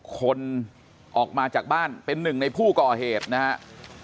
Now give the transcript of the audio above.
คนออกมาจากบ้านเป็นหนึ่งในผู้ก่อเหตุนะครับ